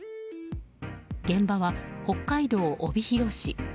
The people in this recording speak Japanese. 現場は北海道帯広市。